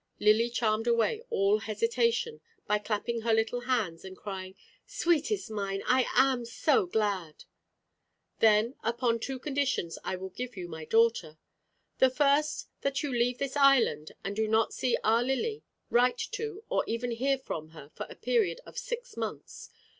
Lily charmed away all hesitation, by clapping her little hands, and crying, "Sweetest mine, I am so glad." "Then, upon two conditions I will give you my daughter. The first, that you leave this island, and do not see our Lily, write to, or even hear from her, for a period of six months.